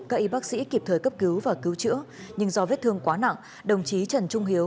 các y bác sĩ kịp thời cấp cứu và cứu chữa nhưng do vết thương quá nặng đồng chí trần trung hiếu